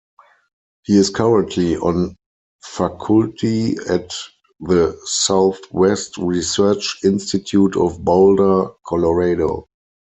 He is currently on faculty at the Southwest Research Institute of Boulder, Colorado.